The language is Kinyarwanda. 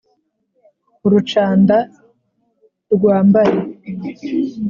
urucanda rwambare